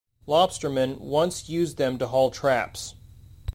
Lobstermen once used them to haul traps.